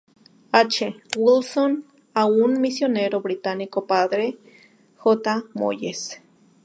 H. Wilson a un misionero británico, Padre J. Moyes.